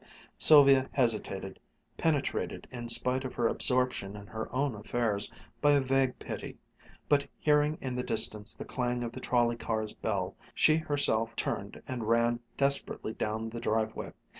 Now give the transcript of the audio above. Sylvia hesitated, penetrated, in spite of her absorption in her own affairs, by a vague pity, but hearing in the distance the clang of the trolley car's bell, she herself turned and ran desperately down the driveway.